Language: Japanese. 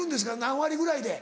何割ぐらいで？